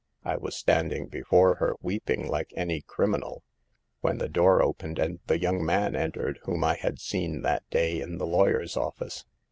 I was standing before her, weeping like any criminal, when the door opened and the young man entered whom I had seen that day in the law yer's office.